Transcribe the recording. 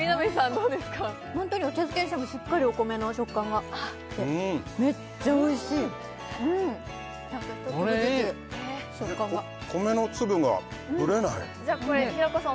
どうですかホントにお茶漬けにしてもしっかりお米の食感があってめっちゃ美味しいちゃんと一粒ずつ食感がこれいい米の粒がぶれないじゃこれ平子さん